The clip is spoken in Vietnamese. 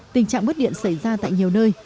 tình trạng mất điện xảy ra tại nhiều nơi